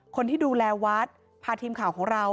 คนที่ดูแลวัดพาทีมข่าวของเรา